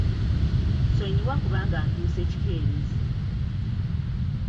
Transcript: Nsonyiwa okuba nga ntuuse kikeerezi.